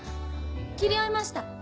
切り終えました。